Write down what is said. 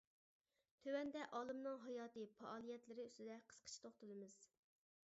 تۆۋەندە ئالىمنىڭ ھاياتىي پائالىيەتلىرى ئۈستىدە قىسقىچە توختىلىمىز.